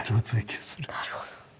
なるほど。